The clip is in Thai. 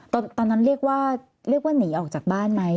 ตอนนั้นเรียกว่าเรียกว่าหนีออกจากบ้านไหม